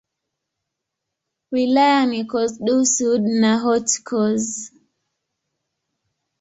Wilaya ni Corse-du-Sud na Haute-Corse.